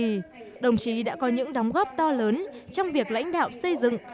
năm một nghìn chín trăm ba mươi đồng chí đã có những đóng góp to lớn trong việc lãnh đạo xây dựng